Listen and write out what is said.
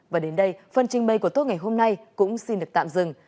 và đến đây phần trình bày của tốt ngày hôm nay cũng xin được tạm dừng